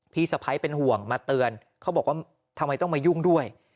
พี่สะพ้ายเป็นห่วงมาเตือนเขาบอกว่าทำไมต้องมายุ่งด้วย